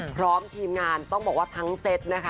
พร้อมทีมงานต้องบอกว่าทั้งเซตนะคะ